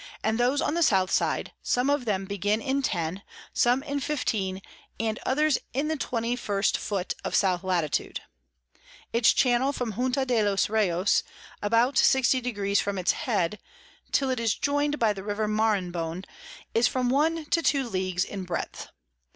and those on the South side, some of them begin in 10, some in 15, and others in the 21 ft of S. Lat. Its Channel from Junta de los Reyos about 60 deg. from its Head, till it is join'd by the River Maranhon, is from one to two Leagues in breadth.